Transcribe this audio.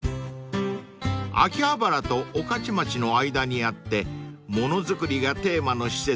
［秋葉原と御徒町の間にあってものづくりがテーマの施設